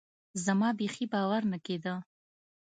زما بيخي باور نه کېده.